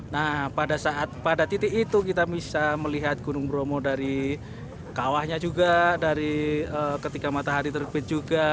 nah pada saat pada titik itu kita bisa melihat gunung bromo dari kawahnya juga dari ketika matahari terbit juga